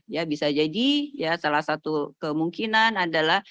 ya bisa jadi ya salah satu kemungkinan adalah